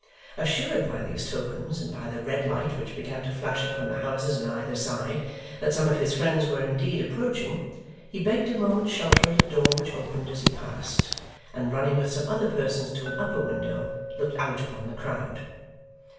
Assured by these tokens, and by the red light which began to flash upon the houses on either side, that some of his friends were indeed approaching, he begged a moment's shelter at a door which opened as he passed, and running with some other persons to an upper window, looked out upon the crowd.